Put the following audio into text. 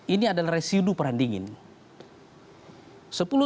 ini adalah residu peranding ini